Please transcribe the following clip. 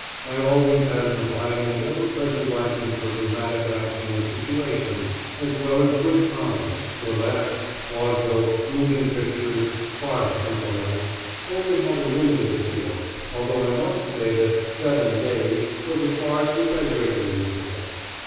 I always had an abiding and ever present liking for dramatic action and situation, as well as good comedy burlesque, vaudeville, moving pictures, farce, and the like, only had a limited appeal, although I must say that "Seven Days" was a farce which I greatly enjoyed.